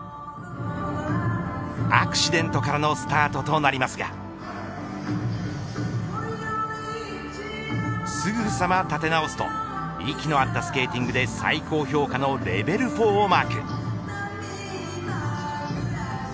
アクシデントからのスタートとなりますがすぐさま立て直すと息の合ったスケーティングで最高評価のレベル４をマーク。